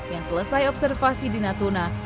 yang selesai observasi di natuna